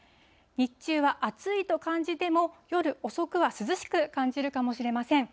日中は暑いと感じても、夜遅くは涼しく感じるかもしれません。